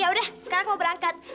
yaudah sekarang aku mau berangkat